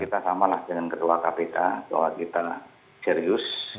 kita samalah dengan ketua kpk bahwa kita serius